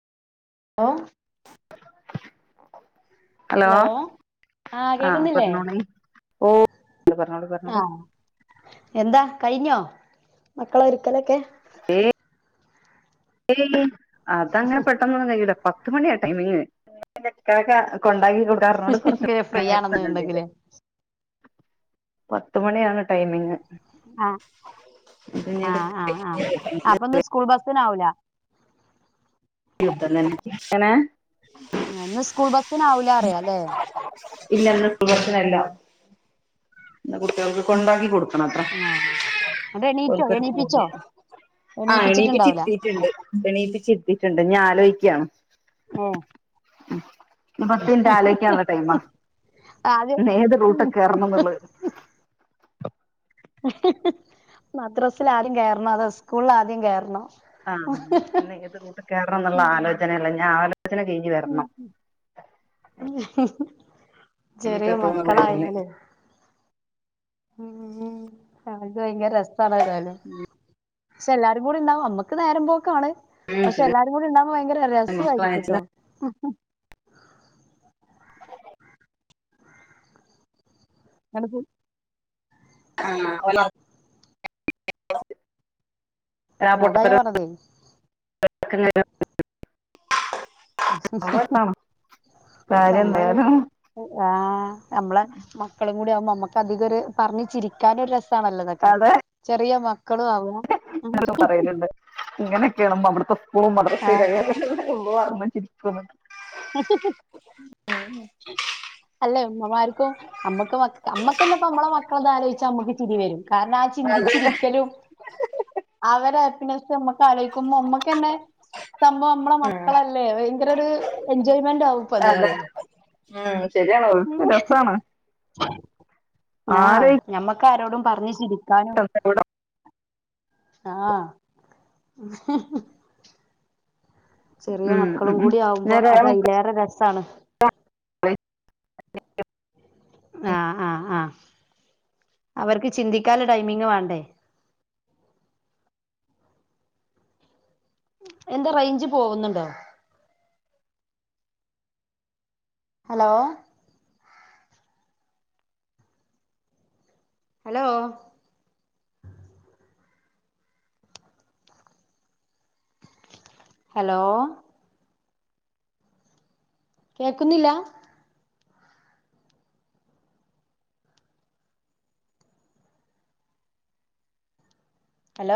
ആ ഹലോ ആഹ ആഹ് കേക്കുന്നില്ലേ പറഞ്ഞോളി ഓ പറഞ്ഞോളി പറഞ്ഞോളി ആഹ എന്താ കഴിഞ്ഞോ മക്കളെ ഒരിക്കലൊക്കെ ഹം ഏയ് അതങ്ങനെ പെട്ടെന്ന്കഴിയൂല്ല പത്തുമണിയാ ടൈമിങ് കൊണ്ടാക്കി കൊടുക്കാറനോട് കുറച്ച് ഫ്രീ ആണെന്ന് നേരത്തെണ്ടത് ഉണ്ടെങ്കില് പത്ത മണിയാണ് ടൈമിങ് എങ്ങനെ ഹഅപ്പൊ ഒന്ന് സ്കൂൾ ബസന് ആാവൂല അങനെ ന്ന് സ്കൂൾ ബസ്സിനാവൂല അറിയാ അല്ലേ ഇല്ല ഇന്ന് സ്കൂൾബസ് ന് അല്ല ഇന്ന കുട്ടികൾക്ക് കൊണ്ടാക്കി കൊടുക്കും ആഹ് എന്നിട്ട് എണീറ്റോ എണീപ്പിച്ചോ എണിപ്പിച്ച് എണീപ്പിച്ചിട്ടുണ്ടാവൂല ഇരുത്തിയിട്ടുണ്ട് ണീപ്പിച്ചിത്തിട്ടുണ്ട് ഞാൻ ആലോചിക്കയാണ് ഓ ഉ ഇ പത്തിന്റെ ആലോക്കാണുള്ള ടൈം ആദ്യം ഏത് റൂട്ട കയറണംന്നുള്ള ഹും മദ്രാസൽ ആരം കേയറണോ അതോ സ്കൂളിൽ ആദ്യം കയറണം ആഹ ഇത് കൂട്ട് കേയറണംന്നുള്ള ആലോചനയല്ല ഞാൻ ആലോചന കഴഞ്ഞ്ഞഞ് ഇനിയിപ്പോ ചെറിയ എപ്പോഴും വരില്ലേ മക്കളായല് അത് ഭയങ്കര രസണ ഏതായാലും പക്ഷെ എല്ലാരും കൂടി ഉണ്ടാവും നമുക്ക് നേരം പോൊക്ക ആാണ് പക്ഷെ എല്ലാരും കൂടി ഉണ്ടാവുമ്പോ ഭയങ്കര രസമായിരിക്കും മക്കളാണെച്ചാ കേട്ടോ ആ ആഹ ആ അതാ ഞാൻ പറഞ്ഞതേ ആ ഹും കാര്യം എന്തായാലും ആ് നമ്മളെ മക്കളും കൂടി ആകുമ്പോൾ നമ്മുക്ക് അധികം ഒരു പറഞ്ഞ ചിരിക്കാന നല്ലതൊക്കെ അതെ ചെറിയ മക്കളും അവ ഇങ്ങനൊെയ അവിടുത്തെ സ്കൂളും മ ആ ചിരിരിക്ക അല്ലെ ഉമ്മമാർക്ക നമ്മുക്ക് അമ്മക്ക തന്നെപ്പ നമ്മളെ മക്കളത് ആലോചിച്ച അമ്മുക്ക് തിരി വരും കാരണം ആ അതെ ചിന്തിച്ചിരിക്കലും അവര് ആപ്പിനെസ് ആല്ലോചിക്കും അമ്മക്കന്നെ സംഭവം നമ്മള മക്കളല്ലേ ഭയങ്കര ഒരു എൻജോയ്മെന്റ് ആവും ഇപ്പ അത് അതെ പറയണ്. ഉം ശരിയണോ രസണ്. ആഹാ ഞമ്മക്ക് ആാരോടും- പറഞ്ഞു ചിരിക്കാനും- എവിടെ? ആഹ [inaudible] ചെറിയ ഉം മക്കളും ഉം കൂടി ആകുമ്പോ അത് ഞാൻ അതിലേറെ രസമാണ്. [unintelligible] ആഹ ആഹാ ആഹാ അവർക്ക്- ചിന്തിക്കൽ ടൈമിങ് വേണ്ടേ. എന്താ റേഞ്ച് പോകുന്നുണ്ടോ? ഹലോ... ഹലോ... ഹലോ... കേൾക്കുന്നില്ല? ഹലോ